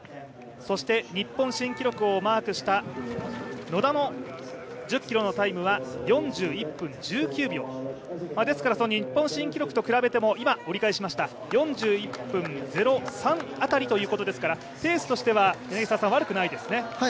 そして日本新記録をマークした野田も１０ｋｍのタイムは４１分１９秒、日本新記録と比べましても今、折り返しました４１分０３辺りということですからペースとしては、悪くないですね。